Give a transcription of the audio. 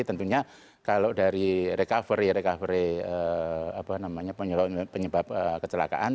tentunya kalau dari recovery recovery apa namanya penyebab kecelakaan